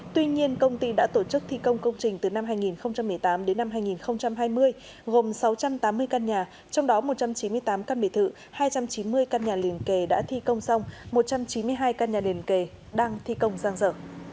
tuy nhiên công ty đã tổ chức thi công công trình từ năm hai nghìn một mươi tám đến năm hai nghìn hai mươi gồm sáu trăm tám mươi căn nhà trong đó một trăm chín mươi tám căn bể thự hai trăm chín mươi căn nhà liền kề đã thi công xong một trăm chín mươi hai căn nhà liền kề đang thi công giang dở